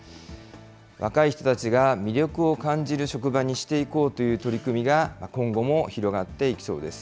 若い人たちが魅力を感じる職場にしていこうという取り組みが今後も広がっていきそうです。